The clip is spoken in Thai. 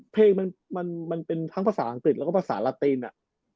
เพลงมันเป็นทั้งภาษาอังกฤษแล้วก็ภาษาลาตีนอะ